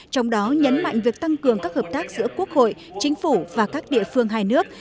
trong đó nhấn mạnh việc tăng cường các hợp tác giữa quốc hội chính phủ và các địa phương hai nước